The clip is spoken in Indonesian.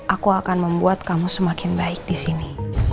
aku akan membuat kamu semakin baik di sini